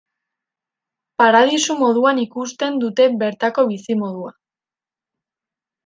Paradisu moduan ikusten dute bertako bizimodua.